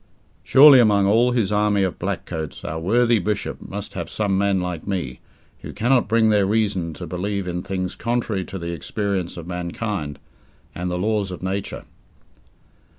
Surely among all his army of black coats our worthy Bishop must have some men like me, who cannot bring their reason to believe in things contrary to the experience of mankind and the laws of nature.